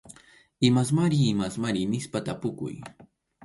Imasmari imasmari nispa tapukuy.